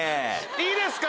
いいですか？